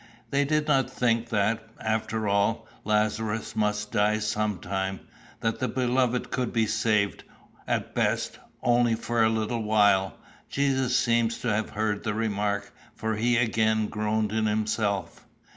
They did not think that, after all, Lazarus must die some time; that the beloved could be saved, at best, only for a little while. Jesus seems to have heard the remark, for he again groaned in himself.